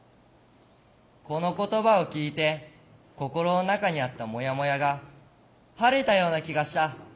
この言葉を聞いて心の中にあったもやもやが晴れたような気がした。